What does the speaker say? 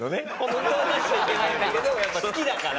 ホントは出しちゃいけないんだけどやっぱ好きだから。